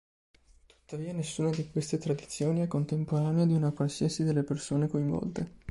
Tuttavia, nessuna di queste tradizioni è contemporanea di una qualsiasi delle persone coinvolte.